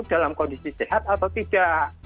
dalam kondisi sehat atau tidak